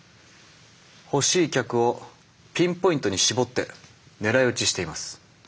欲しい客をピンポイントに絞って狙い撃ちしています。